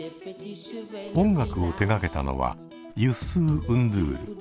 音楽を手がけたのはユッスー・ンドゥール。